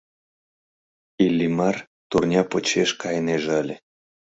Иллимар турня почеш кайынеже ыле.